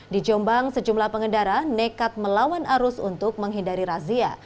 di jombang sejumlah pengendara nekat melawan arus untuk menghindari razia